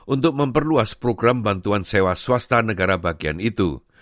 untuk memperluas program bantuan sewa swasta negara bagian itu